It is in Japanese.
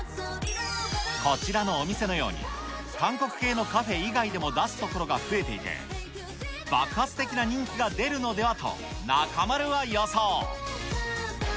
こちらのお店のように、韓国系のカフェ以外でも出す所が増えていて、爆発的な人気が出るのではと、中丸は予想。